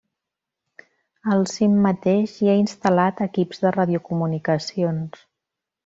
Al cim mateix hi ha instal·lat equips de radiocomunicacions.